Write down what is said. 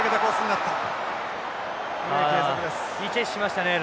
ああいいチェイスしましたね。